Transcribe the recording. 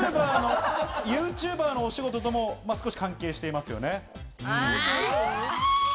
ＹｏｕＴｕｂｅｒのお仕事とも少し関係していますよね。